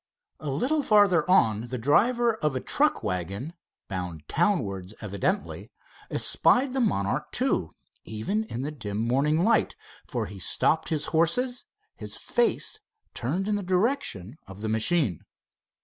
A little farther on the driver of a truck wagon, bound town wards evidently, espied the Monarch II, even in the dim morning light, for he stopped his horses, his face turned in the direction of the machine.